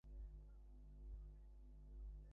সদরে তোমাদের একটু বাগান আছে।